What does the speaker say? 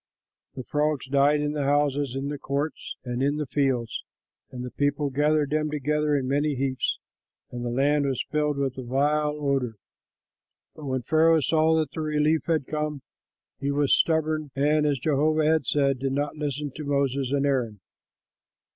The frogs died in the houses, in the courts, and in the fields, and the people gathered them together in many heaps; and the land was filled with a vile odor. But when Pharaoh saw that relief had come, he was stubborn and, as Jehovah had said, did not listen to Moses and Aaron.